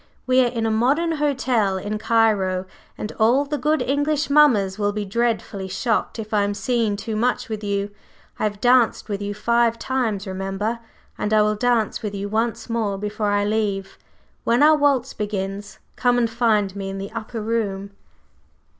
We are in a modern hotel in Cairo, and all the good English mammas will be dreadfully shocked if I am seen too much with you. I have danced with you five times, remember! And I will dance with you once more before I leave. When our waltz begins, come and find me in the supper room."